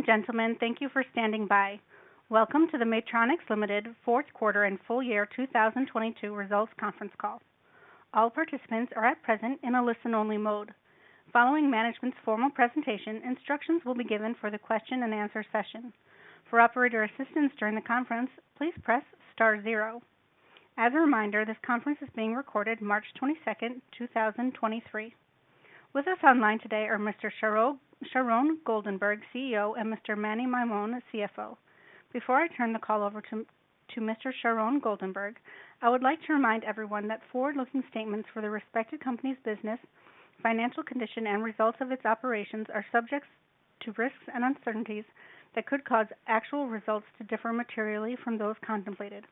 Ladies and gentlemen, thank you for standing by. Welcome to the Maytronics Ltd. Fourth Quarter and Full Year 2022 Results Conference Call. All participants are at present in a listen-only mode. Following management's formal presentation, instructions will be given for the question and answer session. For operator assistance during the conference, please press star zero. As a reminder, this conference is being recorded March 22, 2023. With us online today are Mr. Sharon Goldenberg, CEO, and Mr. Meni Maymon, CFO. Before I turn the call over to Mr. Sharon Goldenberg, I would like to remind everyone that forward-looking statements for the respected company's business, financial condition, and results of its operations are subjects to risks and uncertainties that could cause actual results to differ materially from those contemplated.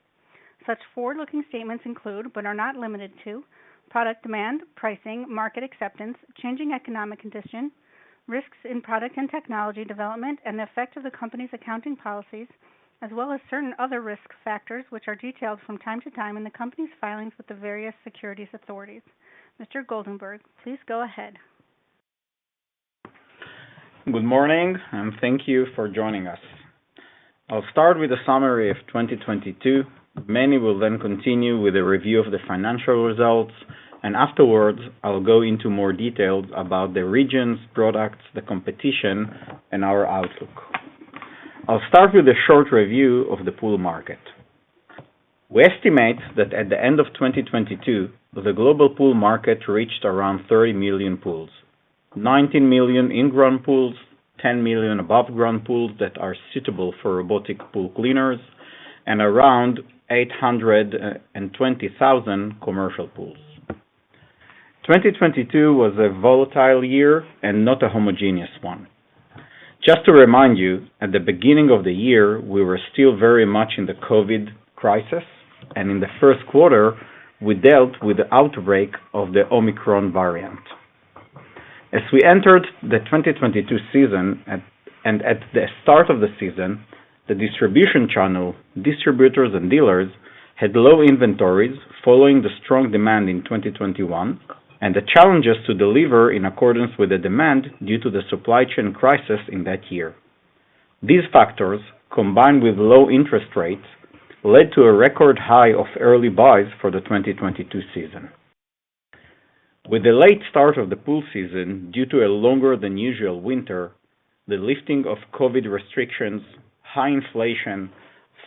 Such forward-looking statements include, but are not limited to, product demand, pricing, market acceptance, changing economic condition, risks in product and technology development, and the effect of the company's accounting policies, as well as certain other risk factors, which are detailed from time to time in the company's filings with the various securities authorities. Mr. Goldenberg, please go ahead. Good morning. Thank you for joining us. I'll start with a summary of 2022. Meni will then continue with a review of the financial results. Afterwards, I will go into more details about the regions, products, the competition, and our outlook. I'll start with a short review of the pool market. We estimate that at the end of 2022, the global pool market reached around 30 million pools. 19 million in-ground pools, 10 million above ground pools that are suitable for robotic pool cleaners, around 820,000 commercial pools. 2022 was a volatile year and not a homogeneous one. Just to remind you, at the beginning of the year, we were still very much in the COVID crisis. In the first quarter, we dealt with the outbreak of the Omicron variant. As we entered the 2022 season, and at the start of the season, the distribution channel, distributors and dealers, had low inventories following the strong demand in 2021 and the challenges to deliver in accordance with the demand due to the supply chain crisis in that year. These factors, combined with low interest rates, led to a record high of early buys for the 2022 season. With the late start of the pool season due to a longer than usual winter, the lifting of COVID restrictions, high inflation,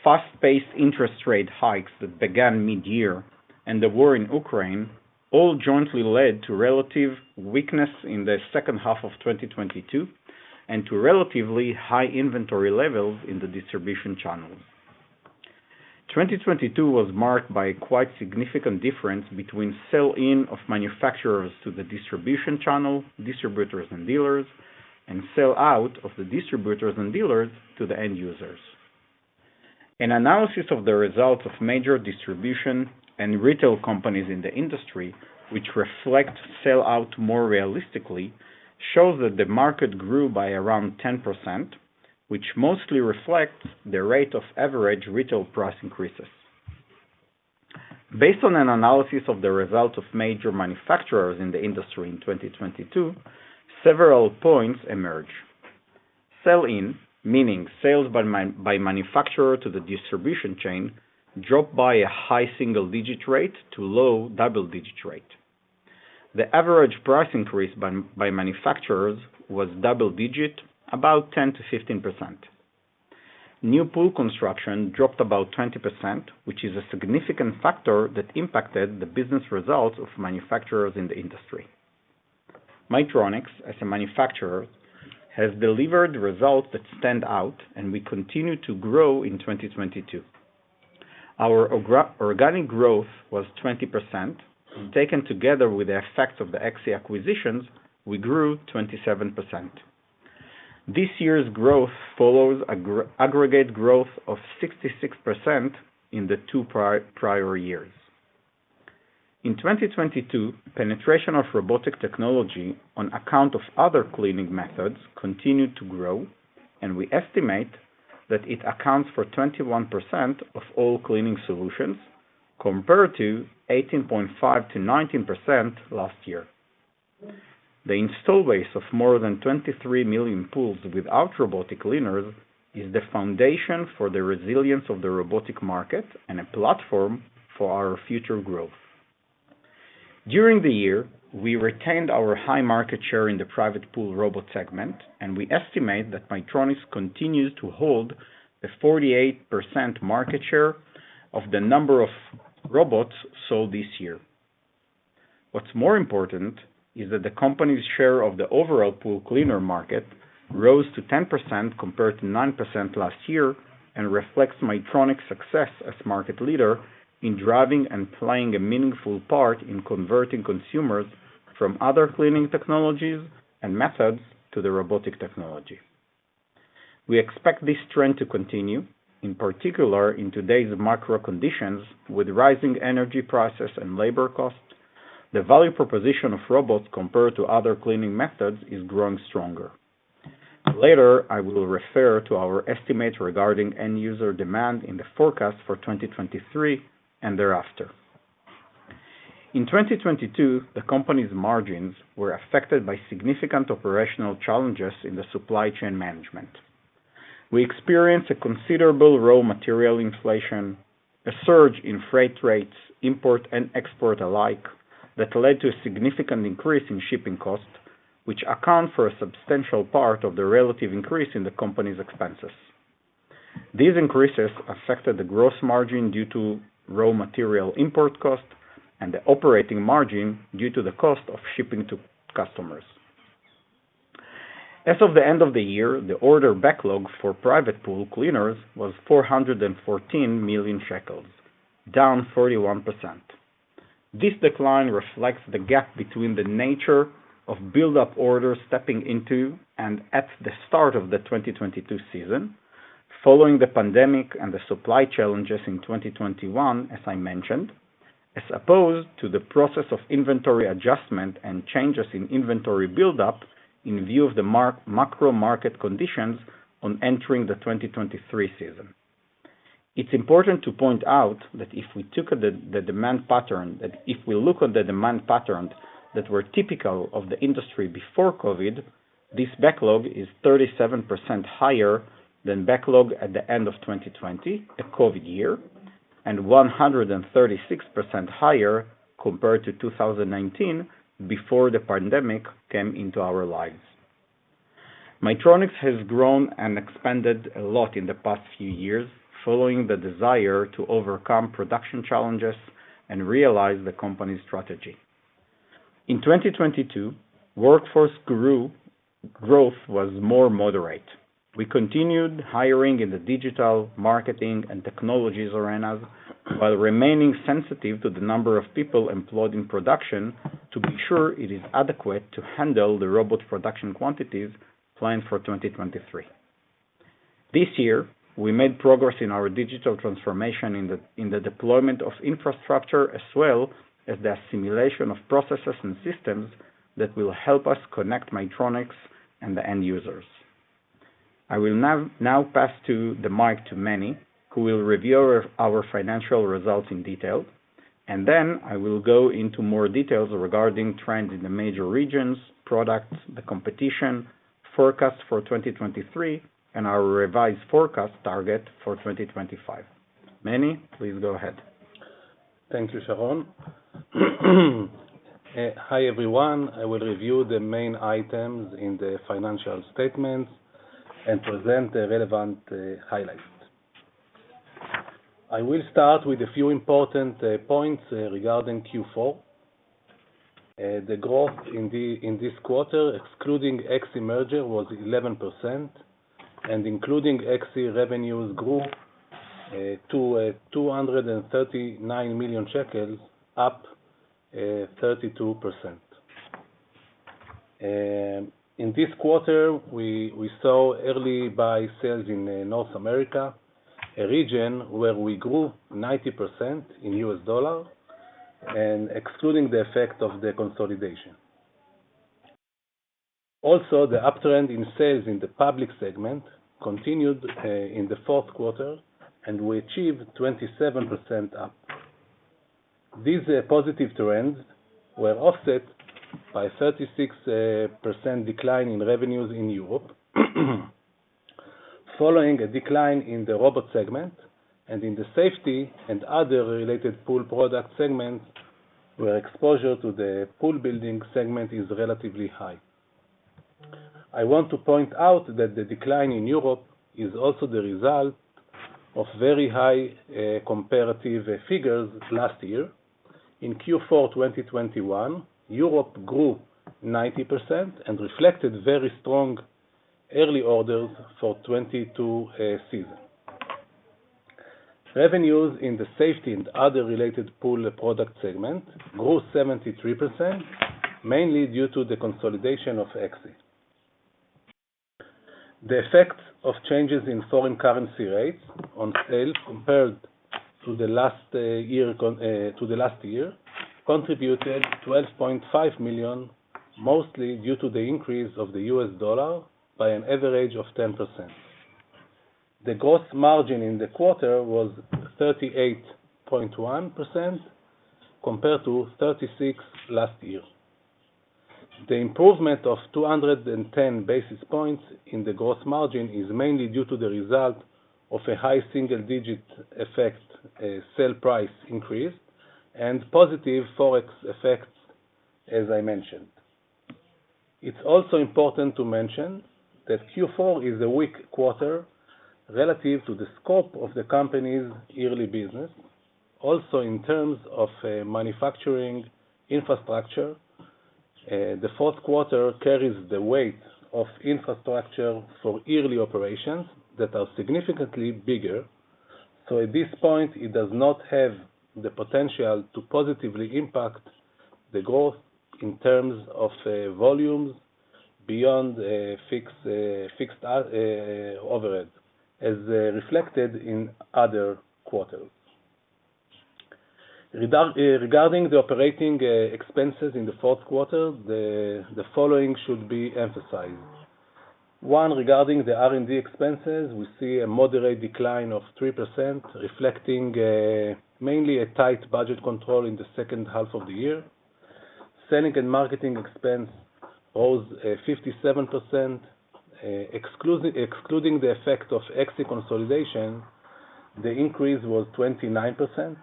fast-paced interest rate hikes that began mid-year, and the war in Ukraine all jointly led to relative weakness in the second half of 2022 and to relatively high inventory levels in the distribution channels. 2022 was marked by a quite significant difference between sell-in of manufacturers to the distribution channel, distributors and dealers, and sell out of the distributors and dealers to the end users. An analysis of the results of major distribution and retail companies in the industry, which reflect sell out more realistically, shows that the market grew by around 10%, which mostly reflects the rate of average retail price increases. Based on an analysis of the results of major manufacturers in the industry in 2022, several points emerge. Sell-in, meaning sales by manufacturer to the distribution chain, dropped by a high single-digit rate to low double-digit rate. The average price increase by manufacturers was double-digit, about 10%-15%. New pool construction dropped about 20%, which is a significant factor that impacted the business results of manufacturers in the industry. Maytronics, as a manufacturer, has delivered results that stand out, and we continued to grow in 2022. Our organic growth was 20%. Taken together with the effect of the ECCXI acquisitions, we grew 27%. This year's growth follows aggregate growth of 66% in the two prior years. In 2022, penetration of robotic technology on account of other cleaning methods continued to grow, and we estimate that it accounts for 21% of all cleaning solutions, compared to 18.5%-19% last year. The install base of more than 23 million pools without robotic cleaners is the foundation for the resilience of the robotic market and a platform for our future growth. During the year, we retained our high market share in the private pool robot segment, and we estimate that Maytronics continues to hold the 48% market share of the number of robots sold this year. What's more important is that the company's share of the overall pool cleaner market rose to 10% compared to 9% last year and reflects Maytronics' success as market leader in driving and playing a meaningful part in converting consumers from other cleaning technologies and methods to the robotic technology. We expect this trend to continue, in particular in today's macro conditions with rising energy prices and labor costs. The value proposition of robots compared to other cleaning methods is growing stronger. Later, I will refer to our estimates regarding end user demand in the forecast for 2023 and thereafter. In 2022, the company's margins were affected by significant operational challenges in the supply chain management. We experienced a considerable raw material inflation, a surge in freight rates, import and export alike, that led to a significant increase in shipping costs, which account for a substantial part of the relative increase in the company's expenses. These increases affected the gross margin due to raw material import costs and the operating margin due to the cost of shipping to customers. As of the end of the year, the order backlog for private pool cleaners was 414 million shekels, down 31%. This decline reflects the gap between the nature of buildup orders stepping into and at the start of the 2022 season, following the pandemic and the supply challenges in 2021, as I mentioned, as opposed to the process of inventory adjustment and changes in inventory buildup in view of the macro market conditions on entering the 2023 season. It's important to point out that if we look at the demand patterns that were typical of the industry before COVID, this backlog is 37% higher than backlog at the end of 2020, a COVID year, and 136% higher compared to 2019 before the pandemic came into our lives. Maytronics has grown and expanded a lot in the past few years, following the desire to overcome production challenges and realize the company's strategy. In 2022, workforce grew. Growth was more moderate. We continued hiring in the digital, marketing, and technologies arenas, while remaining sensitive to the number of people employed in production to be sure it is adequate to handle the robot production quantities planned for 2023. This year, we made progress in our digital transformation in the deployment of infrastructure as well as the assimilation of processes and systems that will help us connect Maytronics and the end users. I will now pass to the mic to Meni, who will review our financial results in detail, and then I will go into more details regarding trends in the major regions, products, the competition, forecast for 2023, and our revised forecast target for 2025. Meni, please go ahead. Thank you, Sharon. Hi, everyone. I will review the main items in the financial statements and present the relevant highlights. I will start with a few important points regarding Q4. The growth in this quarter, excluding ECCXI merger was 11%, and including ECCXI revenues grew to 239 million shekels, up 32%. In this quarter, we saw early buy sales in North America, a region where we grew 90% in U.S. dollar and excluding the effect of the consolidation. The uptrend in sales in the public segment continued in the fourth quarter, and we achieved 27% up. These positive trends were offset by a 36% decline in revenues in Europe, following a decline in the robot segment and in the safety and other related pool product segments, where exposure to the pool-building segment is relatively high. I want to point out that the decline in Europe is also the result of very high comparative figures last year. In Q4 2021, Europe grew 90% and reflected very strong early orders for 2022 season. Revenues in the safety and other related pool product segment grew 73%, mainly due to the consolidation of ECCXI. The effect of changes in foreign currency rates on sales compared to the last year contributed $12.5 million, mostly due to the increase of the U.S. dollar by an average of 10%. The gross margin in the quarter was 38.1% compared to 36% last year. The improvement of 210 basis points in the gross margin is mainly due to the result of a high single-digit effect, sale price increase and positive forex effects, as I mentioned. It's also important to mention that Q4 is a weak quarter relative to the scope of the company's yearly business. In terms of manufacturing infrastructure, the fourth quarter carries the weight of infrastructure for yearly operations that are significantly bigger, so at this point, it does not have the potential to positively impact the growth in terms of volumes beyond fixed overhead, as reflected in other quarters. Regarding the operating expenses in the fourth quarter, the following should be emphasized. One, regarding the R&D expenses, we see a moderate decline of 3%, reflecting mainly a tight budget control in the second half of the year. Selling and marketing expense rose 57%. Excluding the effect of ECCXI consolidation, the increase was 29%.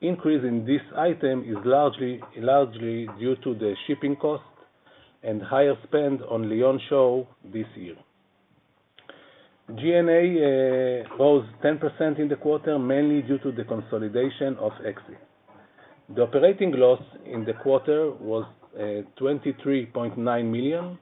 Increase in this item is largely due to the shipping cost and higher spend on Piscine Global this year. G&A rose 10% in the quarter, mainly due to the consolidation of ECCXI. The operating loss in the quarter was $23.9 million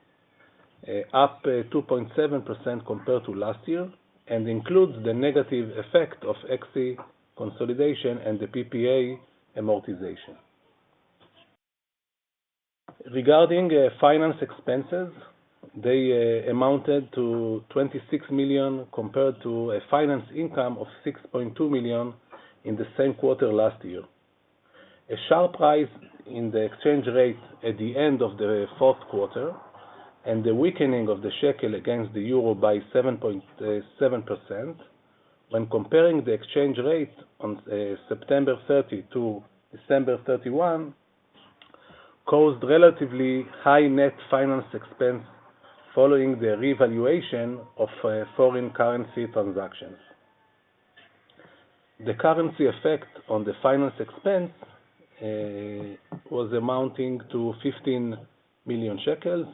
up 2.7% compared to last year, and includes the negative effect of ECCXI consolidation and the PPA amortization. Regarding finance expenses, they amounted to 26 million, compared to a finance income of 6.2 million in the same quarter last year. A sharp rise in the exchange rate at the end of the fourth quarter and the weakening of the shekel against the euro by 7.7% when comparing the exchange rate on September 30 to December 31, caused relatively high net finance expense following the revaluation of foreign currency transactions. The currency effect on the finance expense was amounting to 15 million shekels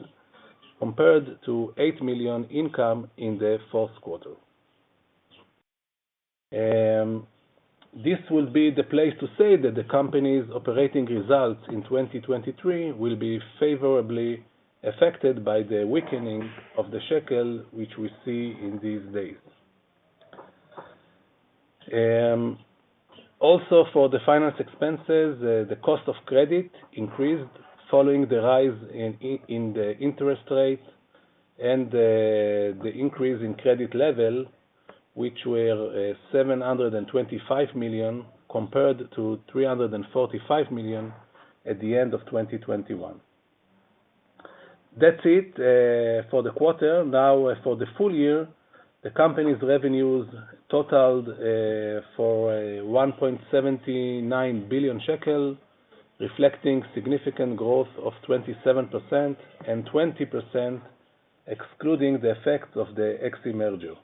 compared to 8 million income in the fourth quarter. This will be the place to say that the company's operating results in 2023 will be favorably affected by the weakening of the shekel, which we see in these days. Also for the finance expenses, the cost of credit increased following the rise in the interest rates and the increase in credit level, which were 725 million compared to 345 million at the end of 2021. That's it for the quarter. For the full year, the company's revenues totaled for 1.79 billion shekel, reflecting significant growth of 27% and 20% excluding the effect of the ECCXI merger.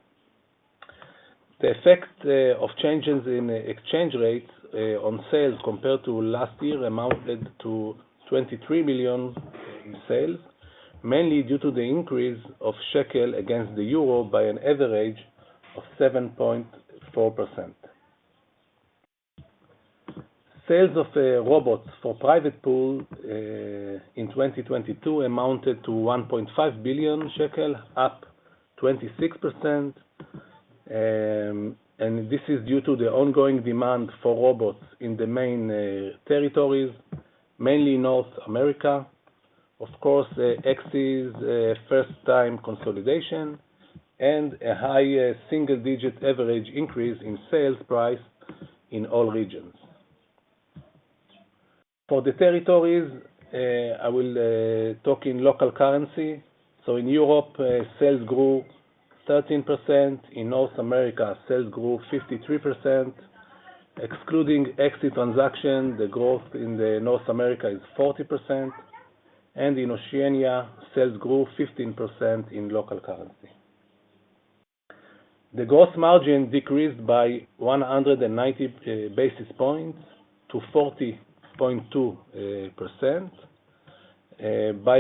The effect of changes in exchange rate on sales compared to last year amounted to 23 million in sales, mainly due to the increase of ILS against the EUR by an average of 7.4%. Sales of robots for private pool in 2022 amounted to 1.5 billion shekel, up 26%. This is due to the ongoing demand for robots in the main territories, mainly North America. Of course, ECCXI's first-time consolidation and a high single-digit average increase in sales price in all regions. For the territories, I will talk in local currency. In Europe, sales grew 13%. In North America, sales grew 53%. Excluding ECCXI transaction, the growth in North America is 40%, and in Oceania, sales grew 15% in local currency. The gross margin decreased by 190 basis points to 40.2%. By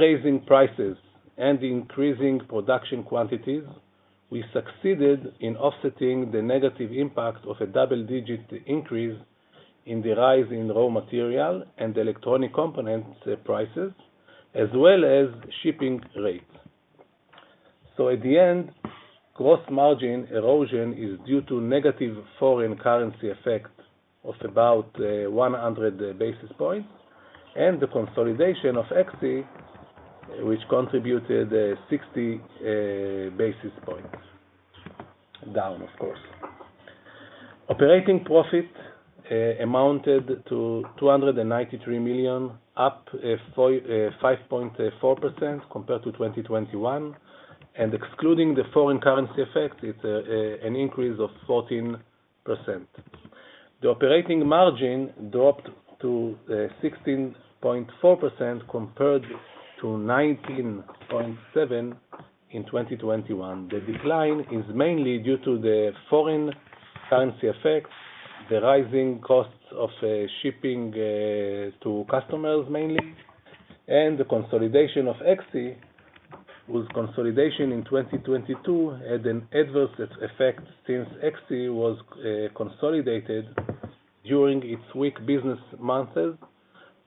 raising prices and increasing production quantities, we succeeded in offsetting the negative impact of a double-digit increase in the rise in raw material and electronic components prices, as well as shipping rates. At the end, gross margin erosion is due to negative foreign currency effect of about, 100 basis points and the consolidation of ECCXI, which contributed, 60 basis points down, of course. Operating profit, amounted to 293 million, up, 5.4% compared to 2021. Excluding the foreign currency effect, it's, an increase of 14%. The operating margin dropped to, 16.4% compared to 19.7% in 2021. The decline is mainly due to the foreign currency effects, the rising costs of shipping to customers mainly, and the consolidation of ECCXI, whose consolidation in 2022 had an adverse effect since ECCXI was consolidated during its weak business months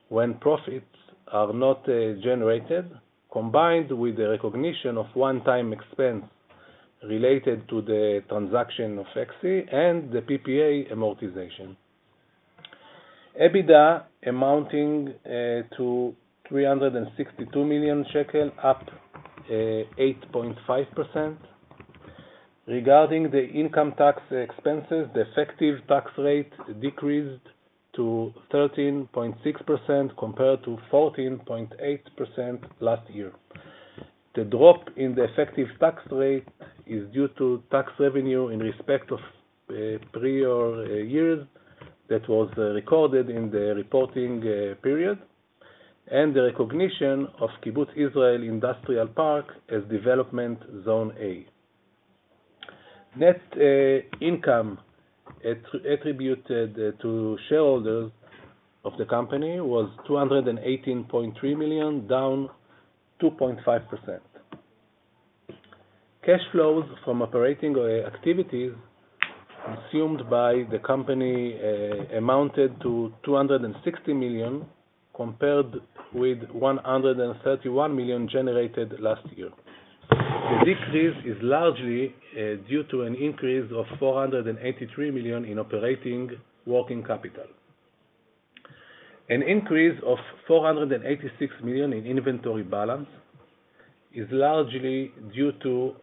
when profits are not generated, combined with the recognition of one-time expense related to the transaction of ECCXI and the PPA amortization. EBITDA amounting to 362 million shekel, up 8.5%. Regarding the income tax expenses, the effective tax rate decreased to 13.6% compared to 14.8% last year. The drop in the effective tax rate is due to tax revenue in respect of prior years that was recorded in the reporting period, and the recognition of Kibbutz Yizreel Industrial Park as Development Zone A. Net income attributed to shareholders of the company was 218.3 million, down 2.5%. Cash flows from operating activities consumed by the company amounted to 260 million, compared with 131 million generated last year. The decrease is largely due to an increase of 483 million in operating working capital. An increase of 486 million in inventory balance is largely due to,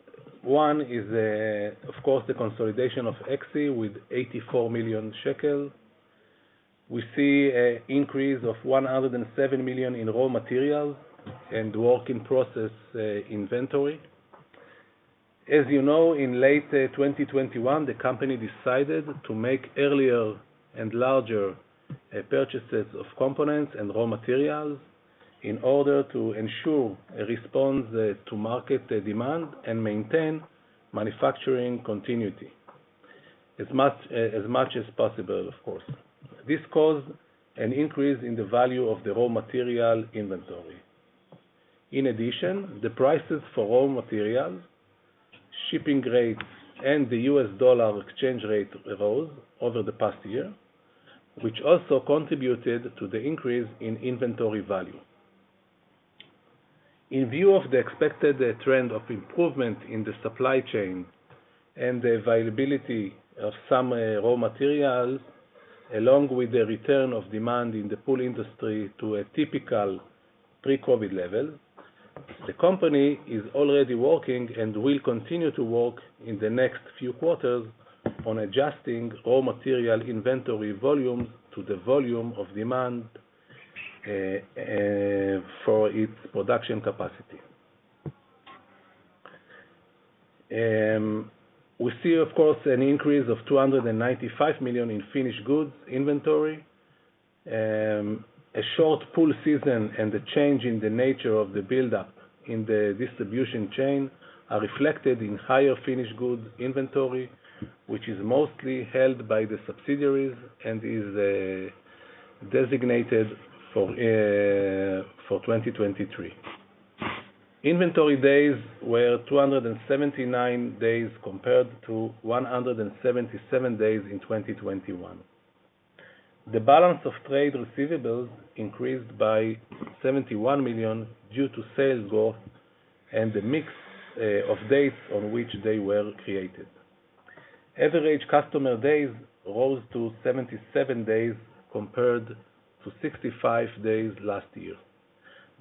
one is, of course, the consolidation of ECCXI with 84 million shekel. We see a increase of 107 million in raw materials and work in process inventory. As you know, in late 2021, the company decided to make earlier and larger purchases of components and raw materials in order to ensure a response to market demand and maintain manufacturing continuity as much as possible, of course. This caused an increase in the value of the raw material inventory. In addition, the prices for raw materials, shipping rates, and the U.S. dollar exchange rate rose over the past year, which also contributed to the increase in inventory value. In view of the expected trend of improvement in the supply chain and the availability of some raw materials, along with the return of demand in the pool industry to a typical pre-COVID level, the company is already working and will continue to work in the next few quarters on adjusting raw material inventory volumes to the volume of demand for its production capacity. We see, of course, an increase of 295 million in finished goods inventory. A short pool season and the change in the nature of the buildup in the distribution chain are reflected in higher finished goods inventory, which is mostly held by the subsidiaries and is designated for 2023. Inventory days were 279 days, compared to 177 days in 2021. The balance of trade receivables increased by 71 million due to sales growth and the mix of dates on which they were created. Average customer days rose to 77 days, compared to 65 days last year.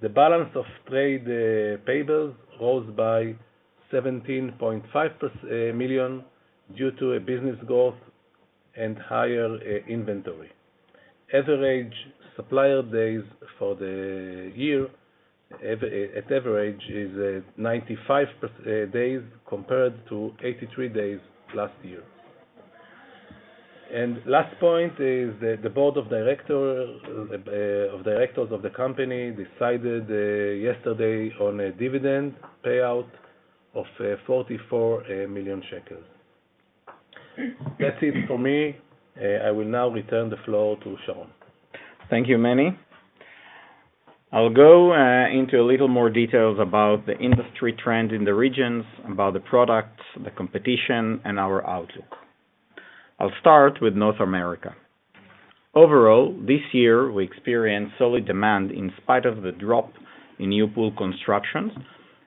The balance of trade payables rose by 17.5 million due to a business growth and higher inventory. Average supplier days for the year, at average is 95 days compared to 83 days last year. Last point is the board of directors of the company decided yesterday on a dividend payout of 44 million shekels. That's it for me. I will now return the floor to Sharon. Thank you, Meni. I'll go into a little more details about the industry trend in the regions, about the products, the competition, and our outlook. I'll start with North America. Overall, this year, we experienced solid demand in spite of the drop in new pool constructions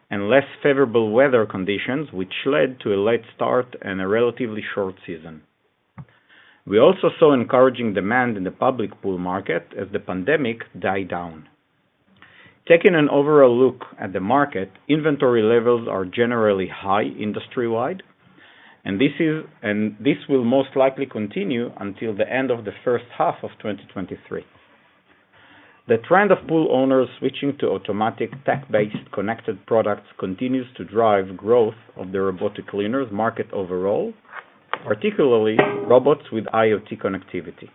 and less favorable weather conditions, which led to a late start and a relatively short season. We also saw encouraging demand in the public pool market as the pandemic died down. Taking an overall look at the market, inventory levels are generally high industry-wide, and this will most likely continue until the end of the first half of 2023. The trend of pool owners switching to automatic tech-based connected products continues to drive growth of the robotic cleaners market overall, particularly robots with IoT connectivity.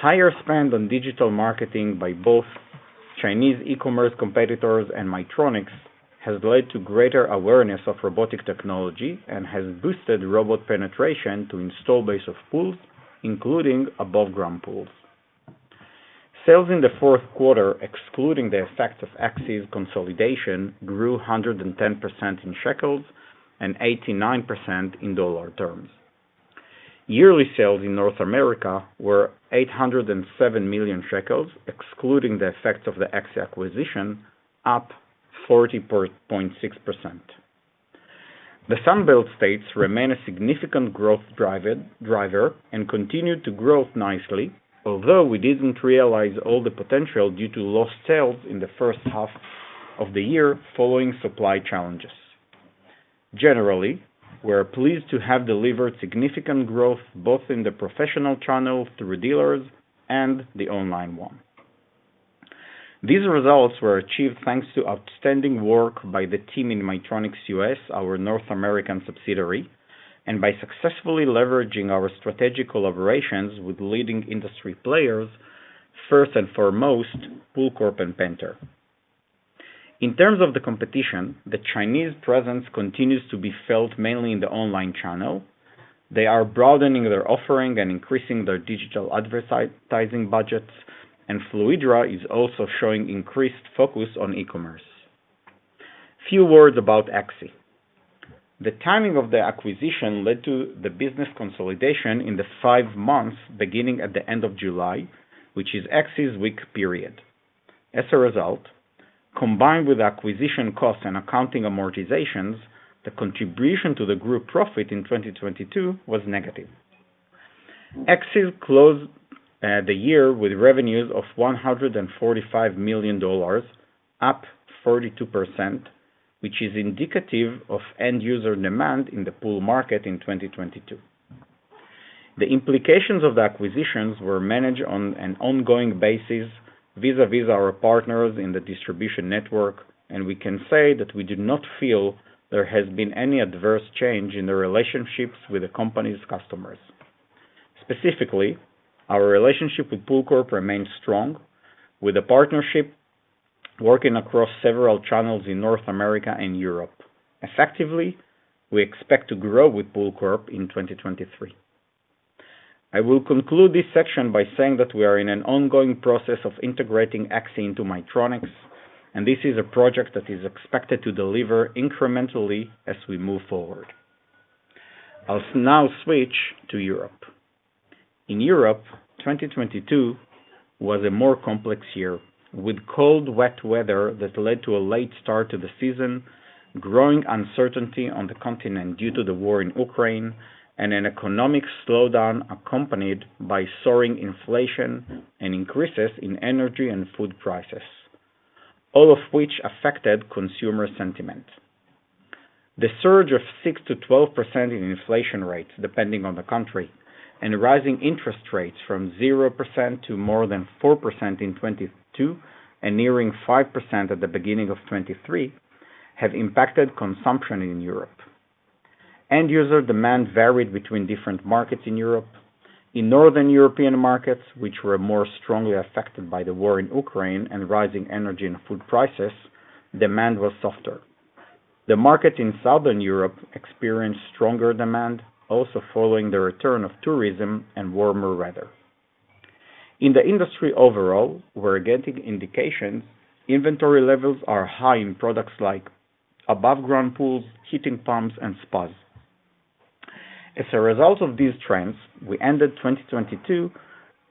Higher spend on digital marketing by both Chinese e-commerce competitors and Maytronics has led to greater awareness of robotic technology and has boosted robot penetration to install base of pools, including above-ground pools. Sales in the fourth quarter, excluding the effect of ECCXI's consolidation, grew 110% in ILS and 89% in dollar terms. Yearly sales in North America were 807 million shekels, excluding the effects of the ECCXI acquisition, up 40.6%. The Sunbelt states remain a significant growth driver and continue to grow nicely, although we didn't realize all the potential due to lost sales in the first half of the year following supply challenges. Generally, we're pleased to have delivered significant growth both in the professional channel through dealers and the online one. These results were achieved thanks to outstanding work by the team in Maytronics U.S., our North American subsidiary, and by successfully leveraging our strategic collaborations with leading industry players, first and foremost, POOLCORP and Pentair. In terms of the competition, the Chinese presence continues to be felt mainly in the online channel. They are broadening their offering and increasing their digital advertising budgets. Fluidra is also showing increased focus on e-commerce. Few words about ECCXI. The timing of the acquisition led to the business consolidation in the five months beginning at the end of July, which is ECCXI's weak period. As a result, combined with acquisition costs and accounting amortizations, the contribution to the group profit in 2022 was negative. ECCXI closed the year with revenues of $145 million, up 42%, which is indicative of end user demand in the pool market in 2022. The implications of the acquisitions were managed on an ongoing basis vis-a-vis our partners in the distribution network. We can say that we do not feel there has been any adverse change in the relationships with the company's customers. Specifically, our relationship with POOLCORP remains strong, with the partnership working across several channels in North America and Europe. Effectively, we expect to grow with POOLCORP in 2023. I will conclude this section by saying that we are in an ongoing process of integrating ECCXI into Maytronics. This is a project that is expected to deliver incrementally as we move forward. I'll now switch to Europe. In Europe, 2022 was a more complex year, with cold, wet weather that led to a late start to the season, growing uncertainty on the continent due to the war in Ukraine, and an economic slowdown accompanied by soaring inflation and increases in energy and food prices, all of which affected consumer sentiment. The surge of 6%-12% in inflation rates, depending on the country, and rising interest rates from 0% to more than 4% in 2022 and nearing 5% at the beginning of 2023, have impacted consumption in Europe. End user demand varied between different markets in Europe. In Northern European markets, which were more strongly affected by the war in Ukraine and rising energy and food prices, demand was softer. The market in Southern Europe experienced stronger demand, also following the return of tourism and warmer weather. In the industry overall, we're getting indications inventory levels are high in products like above ground pools, heating pumps, and spas. As a result of these trends, we ended 2022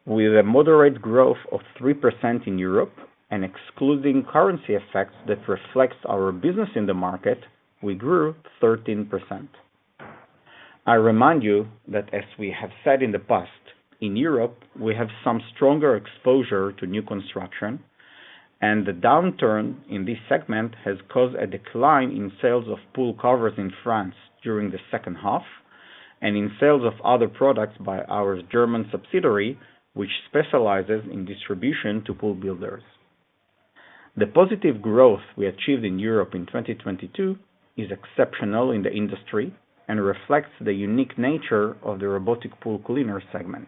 with a moderate growth of 3% in Europe, and excluding currency effects that reflects our business in the market, we grew 13%. I remind you that, as we have said in the past, in Europe, we have some stronger exposure to new construction, and the downturn in this segment has caused a decline in sales of pool covers in France during the second half and in sales of other products by our German subsidiary, which specializes in distribution to pool builders. The positive growth we achieved in Europe in 2022 is exceptional in the industry and reflects the unique nature of the robotic pool cleaner segment.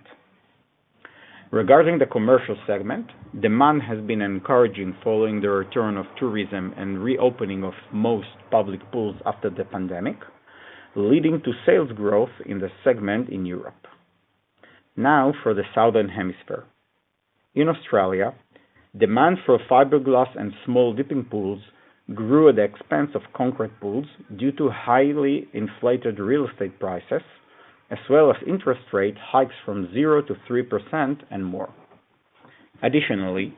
Regarding the commercial segment, demand has been encouraging following the return of tourism and reopening of most public pools after the pandemic, leading to sales growth in the segment in Europe. For the Southern Hemisphere. In Australia, demand for fiberglass and small dipping pools grew at the expense of concrete pools due to highly inflated real estate prices, as well as interest rate hikes from 0% to 3% and more. Additionally,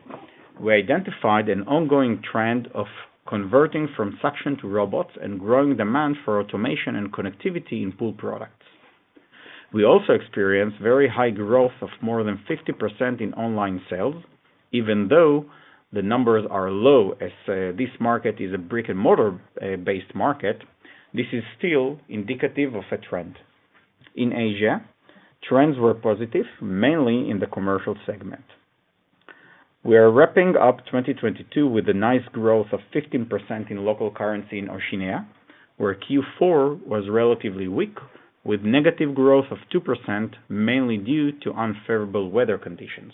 we identified an ongoing trend of converting from suction to robots and growing demand for automation and connectivity in pool products. We also experienced very high growth of more than 50% in online sales, even though the numbers are low, as this market is a brick-and-mortar based market, this is still indicative of a trend. In Asia, trends were positive, mainly in the commercial segment. We are wrapping up 2022 with a nice growth of 15% in local currency in Oceania, where Q4 was relatively weak, with negative growth of 2%, mainly due to unfavorable weather conditions.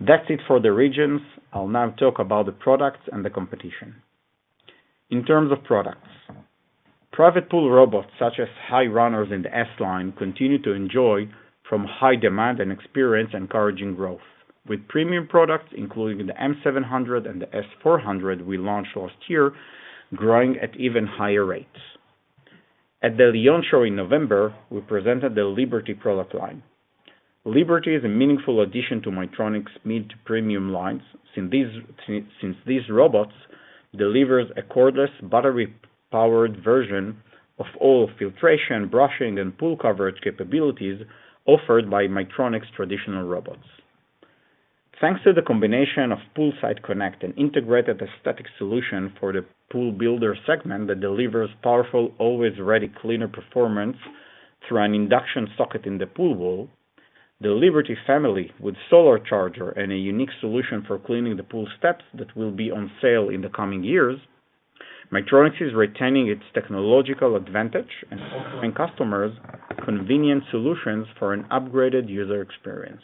That's it for the regions. I'll now talk about the products and the competition. In terms of products, private pool robots such as [HiRunner] and the S Line continue to enjoy from high demand and experience encouraging growth, with premium products, including the M700 and the S400 we launched last year, growing at even higher rates. At the Lyon show in November, we presented the LIBERTY product line. LIBERTY is a meaningful addition to Maytronics mid- to premium lines, since these robots delivers a cordless battery-powered version of all filtration, brushing, and pool coverage capabilities offered by Maytronics traditional robots. Thanks to the combination of Poolside Connect and integrated aesthetic solution for the pool builder segment that delivers powerful, always-ready cleaner performance through an induction socket in the pool wall. The LIBERTY family with solar charger and a unique solution for cleaning the pool steps that will be on sale in the coming years. Maytronics is retaining its technological advantage and offering customers convenient solutions for an upgraded user experience.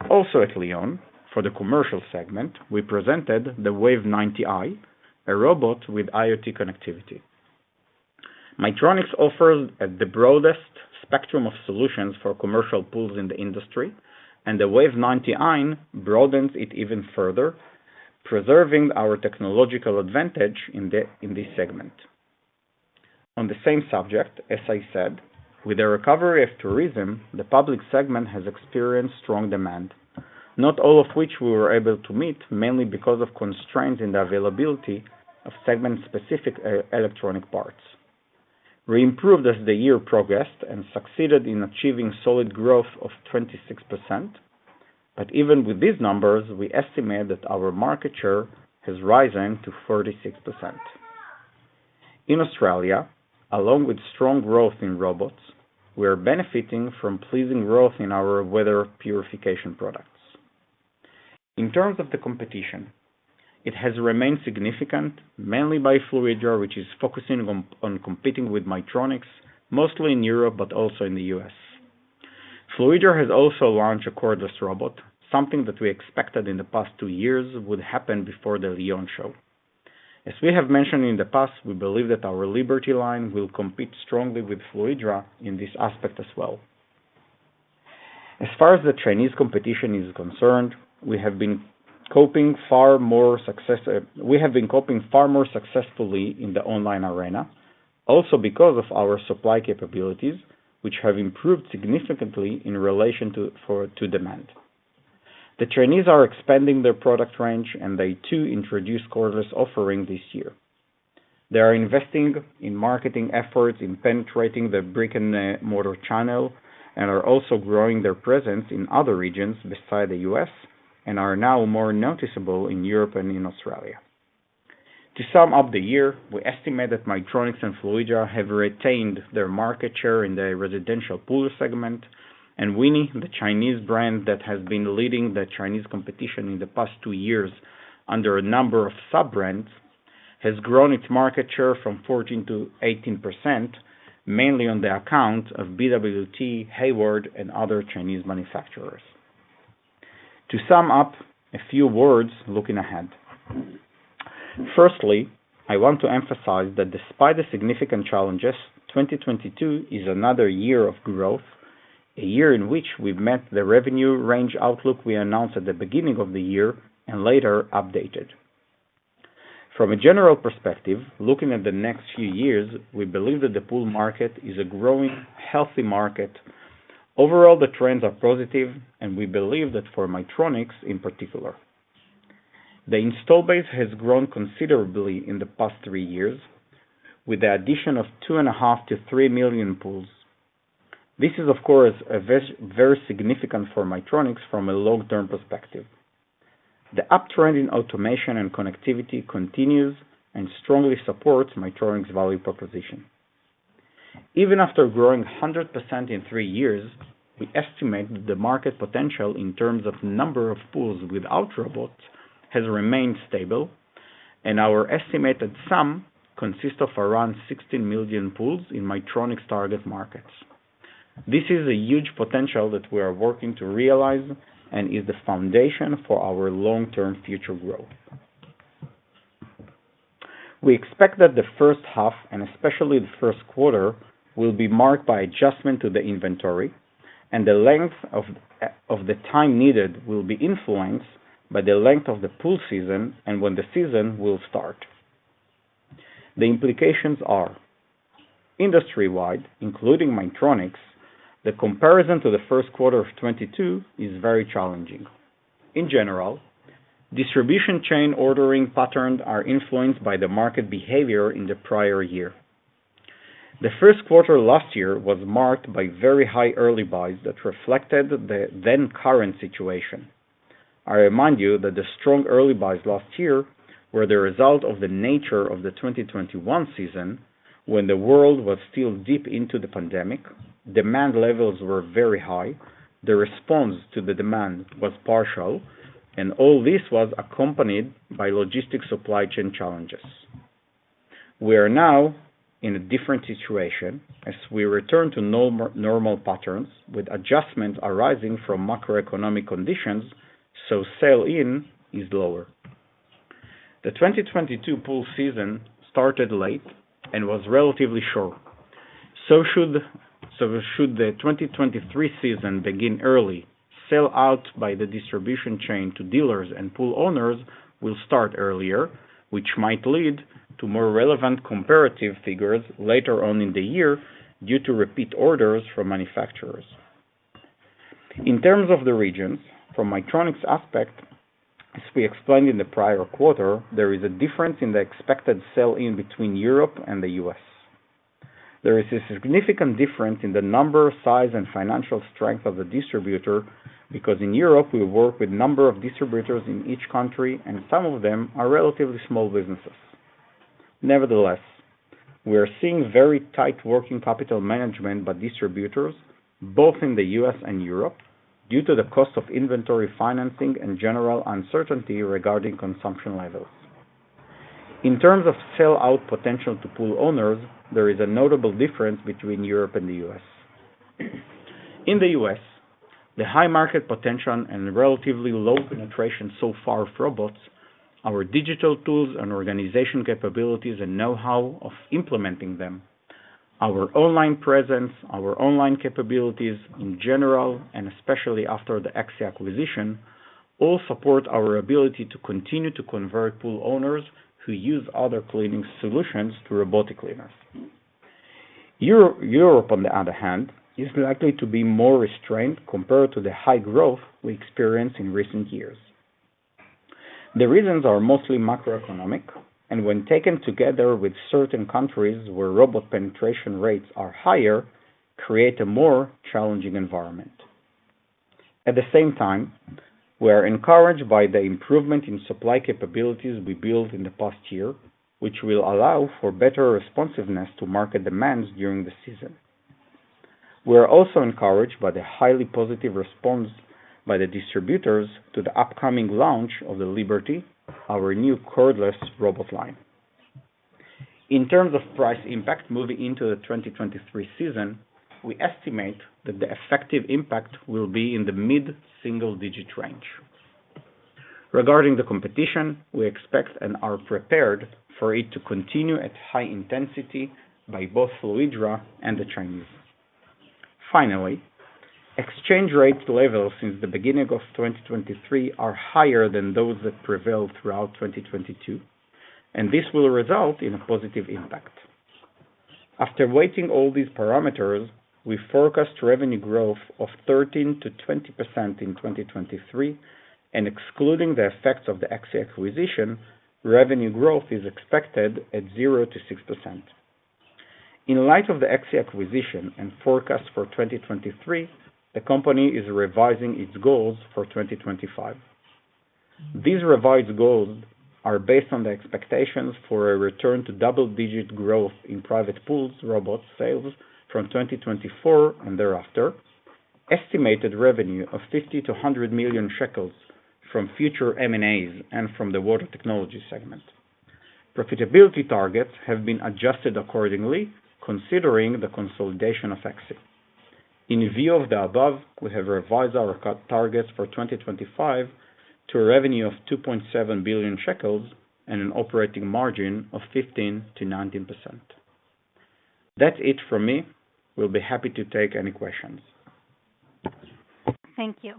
At Lyon, for the commercial segment, we presented the Wave 90i, a robot with IoT connectivity. Maytronics offers the broadest spectrum of solutions for commercial pools in the industry. The Wave 90i broadens it even further, preserving our technological advantage in this segment. On the same subject, as I said, with the recovery of tourism, the public segment has experienced strong demand, not all of which we were able to meet, mainly because of constraints in the availability of segment-specific electronic parts. We improved as the year progressed and succeeded in achieving solid growth of 26%. Even with these numbers, we estimate that our market share has risen to 36%. In Australia, along with strong growth in robots, we are benefiting from pleasing growth in our water purification products. In terms of the competition, it has remained significant, mainly by Fluidra, which is focusing on competing with Maytronics, mostly in Europe, but also in the U.S. Fluidra has also launched a cordless robot, something that we expected in the past two years would happen before the Lyon show. We have mentioned in the past, we believe that our LIBERTY line will compete strongly with Fluidra in this aspect as well. Far as the Chinese competition is concerned, we have been coping far more successfully in the online arena, also because of our supply capabilities, which have improved significantly in relation to demand. The Chinese are expanding their product range, and they too introduced cordless offering this year. They are investing in marketing efforts in penetrating the brick-and-mortar channel, and are also growing their presence in other regions beside the U.S., and are now more noticeable in Europe and in Australia. To sum up the year, we estimate that Maytronics and Fluidra have retained their market share in the residential pool segment, and Winny, the Chinese brand that has been leading the Chinese competition in the past two years under a number of sub-brands, has grown its market share from 14%-18%, mainly on the account of BWT, Hayward, and other Chinese manufacturers. To sum up, a few words looking ahead. Firstly, I want to emphasize that despite the significant challenges, 2022 is another year of growth, a year in which we've met the revenue range outlook we announced at the beginning of the year and later updated. From a general perspective, looking at the next few years, we believe that the pool market is a growing, healthy market. Overall, the trends are positive, and we believe that for Maytronics in particular. The install base has grown considerably in the past three years with the addition of 2.5 million-3 million pools. This is, of course, a very significant for Maytronics from a long-term perspective. The uptrend in automation and connectivity continues and strongly supports Maytronics's value proposition. Even after growing 100% in three years, we estimate the market potential in terms of number of pools without robots has remained stable, and our estimated sum consists of around 16 million pools in Maytronics target markets. This is a huge potential that we are working to realize and is the foundation for our long-term future growth. We expect that the first half, and especially the first quarter, will be marked by adjustment to the inventory, and the length of the time needed will be influenced by the length of the pool season and when the season will start. The implications are industry-wide, including Maytronics, the comparison to the first quarter of 2022 is very challenging. In general, distribution chain ordering patterns are influenced by the market behavior in the prior year. The first quarter last year was marked by very high early buys that reflected the then current situation. I remind you that the strong early buys last year were the result of the nature of the 2021 season, when the world was still deep into the pandemic, demand levels were very high, the response to the demand was partial, and all this was accompanied by logistic supply chain challenges. We are now in a different situation as we return to normal patterns with adjustments arising from macroeconomic conditions. Sell in is lower. The 2022 pool season started late and was relatively short. Should the 2023 season begin early, sell out by the distribution chain to dealers and pool owners will start earlier, which might lead to more relevant comparative figures later on in the year due to repeat orders from manufacturers. In terms of the regions, from Maytronics aspect, as we explained in the prior quarter, there is a difference in the expected sell in between Europe and the U.S. There is a significant difference in the number, size, and financial strength of the distributor, because in Europe, we work with a number of distributors in each country, and some of them are relatively small businesses. Nevertheless, we are seeing very tight working capital management by distributors both in the U.S. and Europe, due to the cost of inventory financing and general uncertainty regarding consumption levels. In terms of sell-out potential to pool owners, there is a notable difference between Europe and the U.S. In the U.S., the high market potential and relatively low penetration so far of robots, our digital tools and organization capabilities and know-how of implementing them, our online presence, our online capabilities in general, and especially after the ECCXI acquisition, all support our ability to continue to convert pool owners who use other cleaning solutions to robotic cleaners. Europe, on the other hand, is likely to be more restrained compared to the high growth we experienced in recent years. The reasons are mostly macroeconomic, and when taken together with certain countries where robot penetration rates are higher, create a more challenging environment. At the same time, we are encouraged by the improvement in supply capabilities we built in the past year, which will allow for better responsiveness to market demands during the season. We are also encouraged by the highly positive response by the distributors to the upcoming launch of the LIBERTY, our new cordless robot line. In terms of price impact, moving into the 2023 season, we estimate that the effective impact will be in the mid-single digit range. Regarding the competition, we expect and are prepared for it to continue at high intensity by both Fluidra and the Chinese. Finally, exchange rate levels since the beginning of 2023 are higher than those that prevailed throughout 2022, and this will result in a positive impact. After weighing all these parameters, we forecast revenue growth of 13%-20% in 2023, and excluding the effects of the ECCXI acquisition, revenue growth is expected at 0%-6%. In light of the ECCXI acquisition and forecast for 2023, the company is revising its goals for 2025. These revised goals are based on the expectations for a return to double-digit growth in private pools robot sales from 2024 and thereafter, estimated revenue of 50 million-100 million shekels from future M&As and from the water technology segment. Profitability targets have been adjusted accordingly, considering the consolidation of ECCXI. In view of the above, we have revised our targets for 2025 to a revenue of 2.7 billion shekels and an operating margin of 15%-19%. That's it from me. We'll be happy to take any questions. Thank you.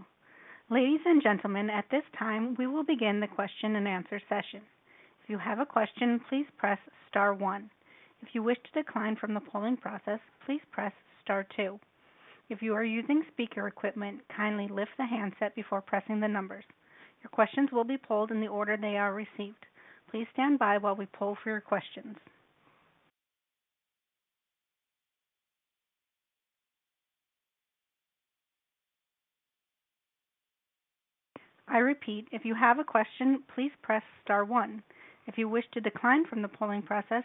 Ladies and gentlemen, at this time, we will begin the question and answer session. If you have a question, please press star one. If you wish to decline from the polling process, please press star two. If you are using speaker equipment, kindly lift the handset before pressing the numbers. Your questions will be polled in the order they are received. Please stand by while we poll for your questions. I repeat, if you have a question, please press star one. If you wish to decline from the polling process,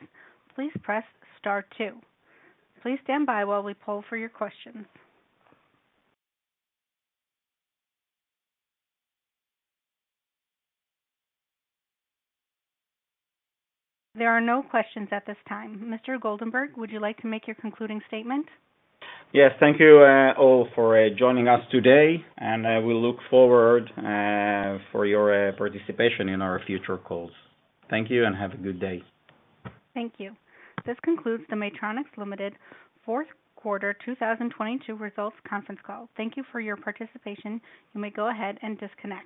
please press star two. Please stand by while we poll for your questions. There are no questions at this time. Mr. Goldenberg, would you like to make your concluding statement? Yes. Thank you, all for joining us today. We look forward for your participation in our future calls. Thank you. Have a good day. Thank you. This concludes the Maytronics Ltd Fourth Quarter 2022 Results Conference Call. Thank you for your participation. You may go ahead and disconnect.